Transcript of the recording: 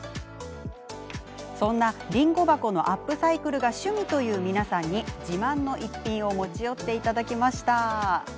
そんなりんご箱のアップサイクルが趣味という皆さんに自慢の一品を持ち寄っていただきました。